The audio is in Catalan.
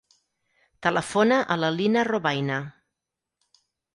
Telefona a la Lina Robayna.